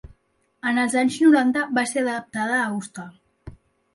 En els anys noranta va ser adaptada a hostal.